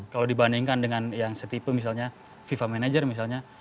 kalau dibandingkan dengan yang setipe misalnya fifa manager misalnya